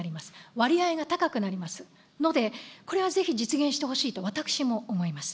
割合が高くなりますので、これはぜひ実現してほしいと、私も思います。